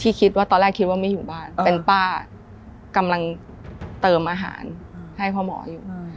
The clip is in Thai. คิดว่าตอนแรกคิดว่าไม่อยู่บ้านเป็นป้ากำลังเติมอาหารให้พ่อหมออยู่